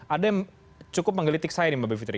ada yang cukup menggelitik saya nih mbak b fitri